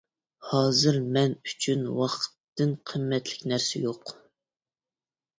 ھازىر مەن ئۈچۈن ۋاقىتتىن قىممەتلىك نەرسە يوق.